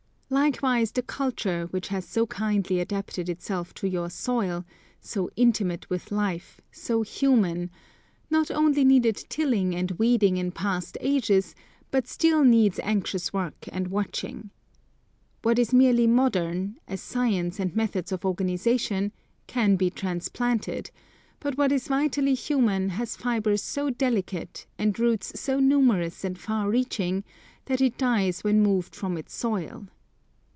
Likewise the culture, which has so kindly adapted itself to your soil, so intimate with life, so human, not only needed tilling and weeding in past ages, but still needs anxious work and watching. What is merely modern, as science and methods of organisation, can be transplanted; but what is vitally human has fibres so delicate, and roots so numerous and far reaching, that it dies when moved from its soil.